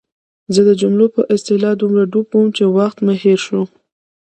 زه د جملو په اصلاح دومره ډوب وم چې وخت مې هېر شو.